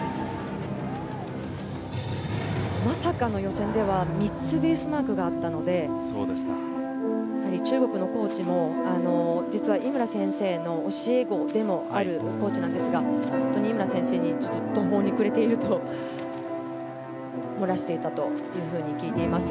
まさかの、予選では３つベースマークがあったので中国のコーチも実は井村先生の教え子でもあるコーチなんですが井村先生に対して途方に暮れていると漏らしていたと聞いています。